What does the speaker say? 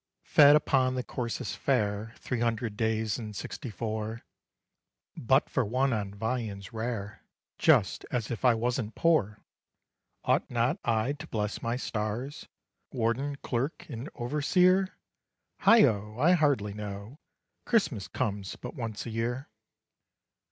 "Fed upon the coarsest fare Three hundred days and sixty four, But for one on viands rare, Just as if I wasn't poor! Ought not I to bless my stars, Warden, clerk, and overseer? Heigho! I hardly know Christmas comes but once a year.